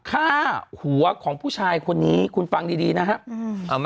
ฆ่าหัวของผู้ชายคนนี้คุณฟังดีดีนะครับ